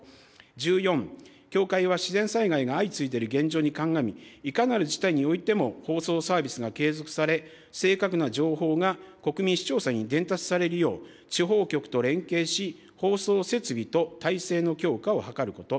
１４、協会は自然災害が相次いでいる現状に鑑み、いかなる事態においても放送・サービスが継続され、正確な情報が国民・視聴者に伝達されるよう、地方局と連携し、放送設備と体制の強化を図ること。